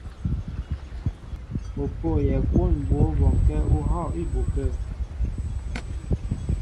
Ó pôyɛ kwón mbwǒ bɔŋkɛ̄ ú hɔ̂ á ibu kə̂.